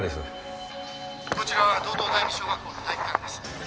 こちら道東第２小学校の体育館です。